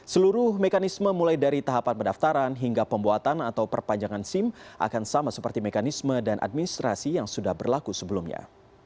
seluruh mekanisme mulai dari tahapan pendaftaran hingga pembuatan atau perpanjangan sim akan sama seperti mekanisme dan administrasi yang sudah berlaku sebelumnya